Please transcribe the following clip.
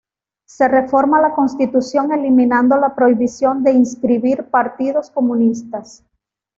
Se reforma la Constitución eliminando la prohibición de inscribir partidos comunistas.